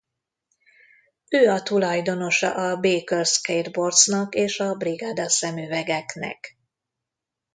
Ő a tulajdonosa a Baker skateboards-nak és a Brigada szemüvegeknek.